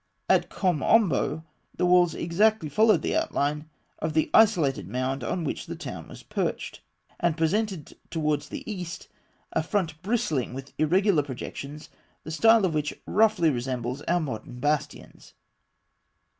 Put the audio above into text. At Kom Ombo (fig. 33) the walls exactly followed the outline of the isolated mound on which the town was perched, and presented towards the east a front bristling with irregular projections, the style of which roughly resembles our modern bastions.